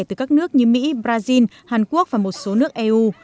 từ các nước như mỹ brazil hàn quốc và một số nước eu